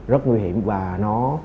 rất nguy hiểm và nó